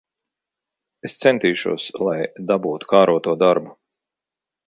Es centīšos, lai dabūtu kāroto darbu.